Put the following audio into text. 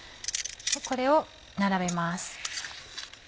これを並べます。